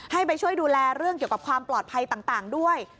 ให้ไปช่วยดูแลเรื่องเกี่ยวกับความปลอดภัยต่างด้วย